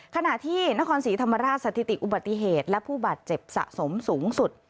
ขณะที่นครศรีธรรมราชสถิติอุบัติเหตุและผู้บาดเจ็บสะสมสูงสุด